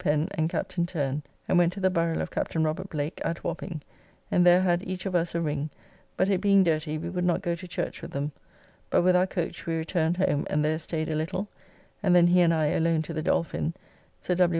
Pen and Captain Terne and went to the buriall of Captain Robert Blake, at Wapping, and there had each of us a ring, but it being dirty, we would not go to church with them, but with our coach we returned home, and there staid a little, and then he and I alone to the Dolphin (Sir W.